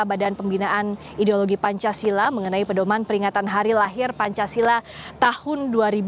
badan pembinaan ideologi pancasila mengenai pedoman peringatan hari lahir pancasila tahun dua ribu dua puluh